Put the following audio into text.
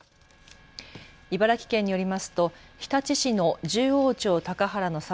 茨城県によりますと日立市の十王町高原の沢